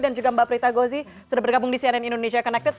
dan juga mbak prita gozi sudah bergabung di cnn indonesia connected